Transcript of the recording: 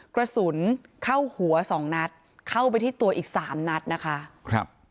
กระสุนเข้าหัวสองนัดเข้าไปที่ตัวอีกสามนัดนะคะครับ